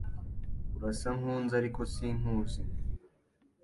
Urasa nkunzi, ariko sinkuzi.